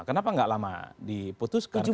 kenapa gak lama diputuskan